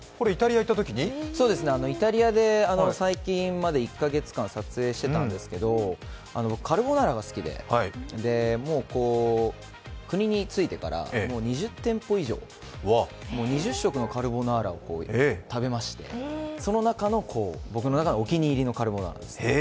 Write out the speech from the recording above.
イタリアで最近まで１か月間撮影してたんですけどカルボナーラが好きで、国に着いてから２０店舗、２０食のカルボナーラを食べましてその中の僕の中のお気に入りのカルボナーラです。